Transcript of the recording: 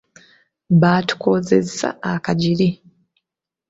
Baatukoozesa akajiri.